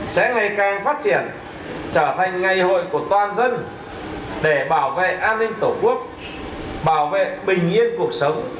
sẽ ngày càng phát triển trở thành ngày hội của toàn dân để bảo vệ an ninh tổ quốc bảo vệ bình yên cuộc sống